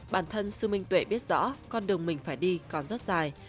bản thân sư minh tuệ biết rõ con đường mình phải đi còn rất dài